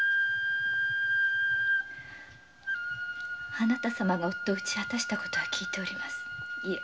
あなた様が夫を討ち果たしたことは聞いております。